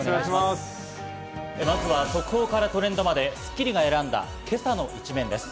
まずは速報からトレンドまで『スッキリ』が選んだ今朝の一面です。